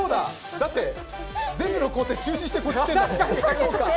だって全部の工程を中止してこっち来てるんだもん。